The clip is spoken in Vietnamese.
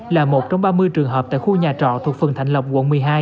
là một trong ba mươi trường hợp tại khu nhà trọ thuộc phường thạnh lộc quận một mươi hai